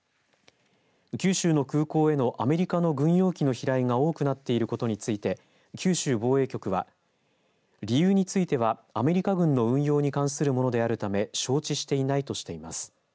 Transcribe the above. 九州の空港へのアメリカの軍用機の飛来が多くなっていることについて九州防衛局は理由についてはアメリカ軍の運用に関するものであるため承知していないとしています。